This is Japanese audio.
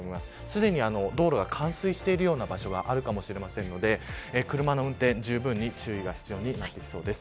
すでに道路が冠水しているような場所があるかもしれないので車の運転にじゅうぶん注意が必要になりそうです。